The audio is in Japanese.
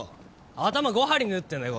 頭５針縫ってんだよ